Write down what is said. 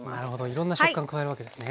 いろんな食感加えるわけですね。